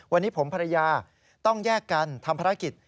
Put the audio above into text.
วันนี้ผมภรรยาต้องแยกกันทำภารกิจ